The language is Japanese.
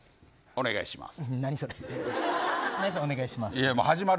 お願いします。